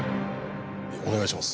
お願いします。